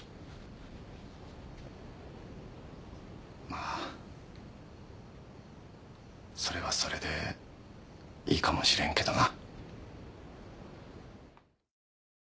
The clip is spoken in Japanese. まあそれはそれでいいかもしれんけどな。